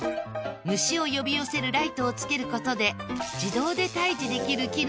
虫を呼び寄せるライトをつける事で自動で退治できる機能まで付いた優れもの。